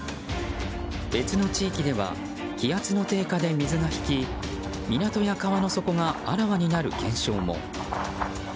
別の地域では気圧の低下で水が引き港や川の底があらわになる現象も。